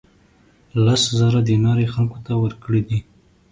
لس زره دینار یې خلکو ته ورکړي دي.